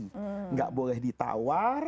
tidak boleh ditawar